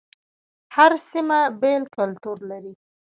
هر سيمه بیل کلتور لري